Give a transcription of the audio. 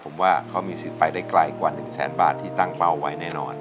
ผมว่าเขามีสิทธิ์ไปได้ไกลกว่า๑แสนบาทที่ตั้งเป้าไว้แน่นอน